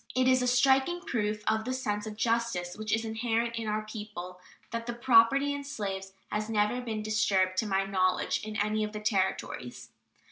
It is a striking proof of the sense of justice which is inherent in our people that the property in slaves has never been disturbed, to my knowledge, in any of the Territories.